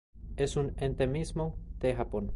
Es un endemismo de Japón.